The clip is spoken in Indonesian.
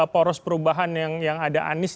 poros perubahan yang ada anies